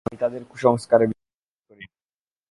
আমি তাদের কুসংস্কারে বিশ্বাস করি না।